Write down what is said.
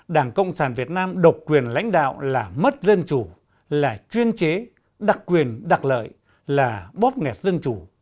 đảng cộng sản việt nam độc quyền lãnh đạo là mất dân chủ là chuyên chế đặc quyền đặc lợi là bóp nghẹt dân chủ